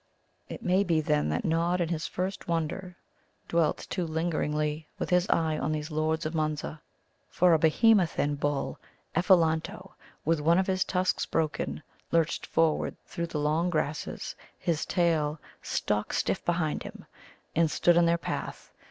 It may be, then, that Nod, in his first wonder, dwelt too lingeringly with his eye on these Lords of Munza: for a behemothian bull Ephelanto, with one of his tusks broken, lurched forward through the long grasses, his tail stock stiff behind him, and stood in their path.